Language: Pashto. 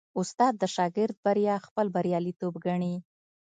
استاد د شاګرد بریا خپل بریالیتوب ګڼي.